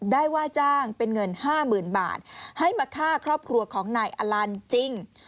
ว่าจ้างเป็นเงิน๕๐๐๐บาทให้มาฆ่าครอบครัวของนายอลันจริง